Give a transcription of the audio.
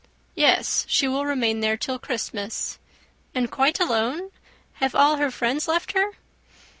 "Yes; she will remain there till Christmas." "And quite alone? Have all her friends left her?"